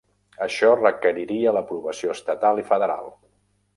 Això requeriria l'aprovació estatal i federal.